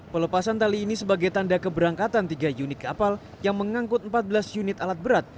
pelepasan tali ini sebagai tanda keberangkatan tiga unit kapal yang mengangkut empat belas unit alat berat